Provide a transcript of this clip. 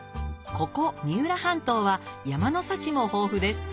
ここ三浦半島は山の幸も豊富です